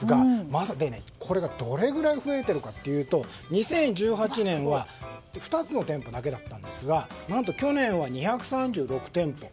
これがどれくらい増えているかというと２０１８年は２つの店舗だけだったんですが何と去年は２３６店舗。